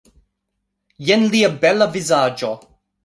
Jen lia bela vizaĝo